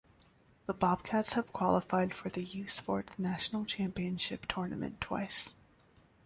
The Bobcats have qualified for the U Sports national championship tournament twice.